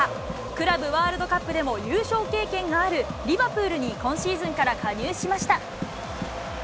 クラブワールドカップでも優勝経験がある、リバプールに今シーズンから加入しました。